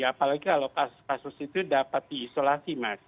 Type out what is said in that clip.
apalagi kalau kasus kasus itu dapat diisolasi mas